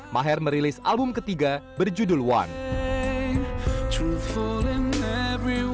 maher merilis album ketiga berjudul one